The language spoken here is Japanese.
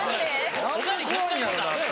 何で怖いんやろなって。